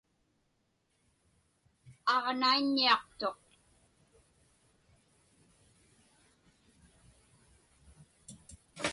Aġnaiññiaqtuq.